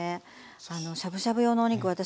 しゃぶしゃぶ用のお肉私